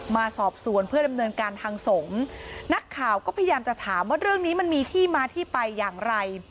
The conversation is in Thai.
มาสอบสวนเพื่อดำเนินการทางสงฆ์นักข่าวก็พยายามจะถามว่าเรื่องนี้มันมีที่มาที่ไปอย่างไร